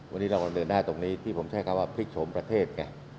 วันนี้เรากำลังเดินหน้าตรงนี้ที่ผมใช้คำว่าพลิกโฉมประเทศไง